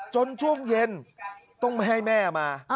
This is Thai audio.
ช่วงเย็นต้องไม่ให้แม่มา